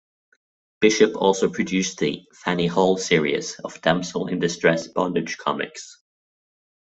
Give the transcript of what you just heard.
Bishop also produced the "Fanni Hall" series of damsel-in-distress bondage comics.